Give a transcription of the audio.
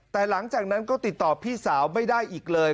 แต่หลังจากนั้นก็ติดต่อพี่สาวไม่ได้อีกเลย